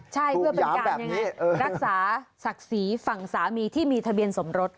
ใช่เพื่อเป็นการรักษาศักดิ์ศรีฝั่งสามีที่มีทะเบียนสมรส